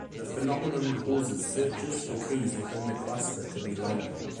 This phenomenon causes searches for keys within the cluster to be longer.